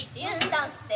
ダンスって。